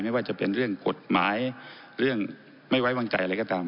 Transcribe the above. ไม่ว่าจะเป็นเรื่องกฎหมายเรื่องไม่ไว้วางใจอะไรก็ตาม